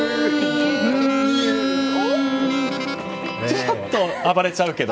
ちょっと暴れちゃうけど。